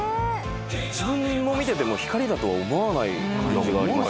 自分も見てても光だとは思わない感じがあります。